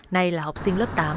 nay là học sinh lớp tám